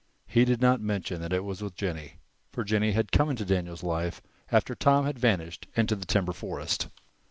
He did not mention that it was with Jennie, for Jennie had come into Daniel's life after Tom had vanished into the timber forest.